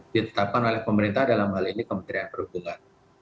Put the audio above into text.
ditetapkan oleh pemerintah dalam hal ini kementerian perhubungan